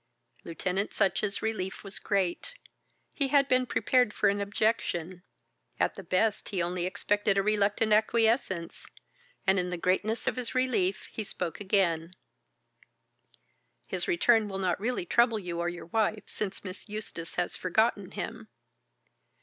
Lieutenant Sutch's relief was great. He had been prepared for an objection, at the best he only expected a reluctant acquiescence, and in the greatness of his relief he spoke again: "His return will not really trouble you or your wife, since Miss Eustace has forgotten him."